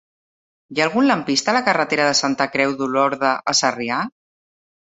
Hi ha algun lampista a la carretera de Santa Creu d'Olorda a Sarrià?